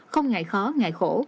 không ngại khó ngại khổ